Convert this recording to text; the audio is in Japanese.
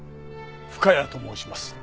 深谷と申します。